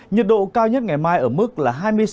nhiệt độ cao nhất ngày mai ở mức là